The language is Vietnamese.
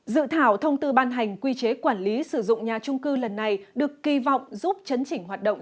dự thảo thông tư ban hành quy chế quản lý sử dụng nhà trung cư lần này được kỳ vọng giúp chấn chỉnh hoạt động